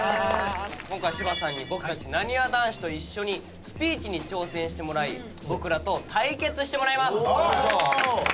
今回芝さんに僕たちなにわ男子と一緒にスピーチに挑戦してもらい僕らと対決してもらいます。